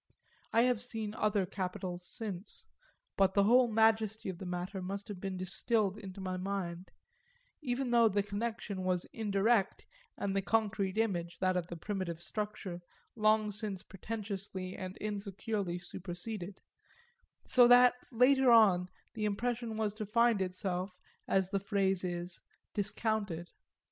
I have seen other capitols since, but the whole majesty of the matter must have been then distilled into my mind even though the connection was indirect and the concrete image, that of the primitive structure, long since pretentiously and insecurely superseded so that, later on, the impression was to find itself, as the phrase is, discounted.